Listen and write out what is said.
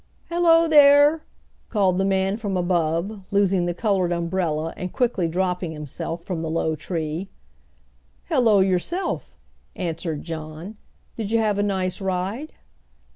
"Hello there!" called the man from above, losing the colored umbrella and quickly dropping himself from the low tree. "Hello yourself!" answered John. "Did you have a nice ride?"